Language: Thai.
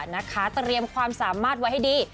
นะคะเตรียมความสามารถไว้ให้ดี